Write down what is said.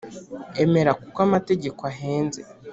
emera, kuko amategeko ahenze